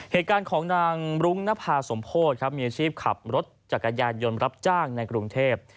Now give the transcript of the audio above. เหตุการณ์ของนางรุ้งนภาสมโพธิครับมีอาชีพขับรถจักรยานยนต์รับจ้างในกรุงเทพ